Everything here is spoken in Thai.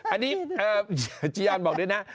อันนี้จีอนบอกด้วยนะ